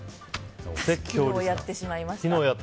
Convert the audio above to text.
昨日やってしまいました。